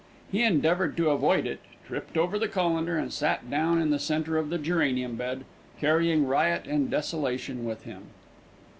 He endeavoured to avoid it, tripped over the colander, and sat down in the centre of the geranium bed, carrying riot and desolation with him.